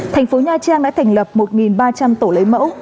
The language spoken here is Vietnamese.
tp nha trang đã thành lập một ba trăm linh tổ lấy mẫu